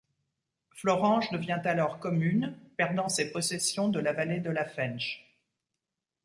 Florange devient alors commune, perdant ses possessions de la vallée de la Fensch.